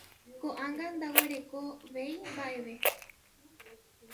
Ko'ág̃a ndaguerekovéi mba'eve.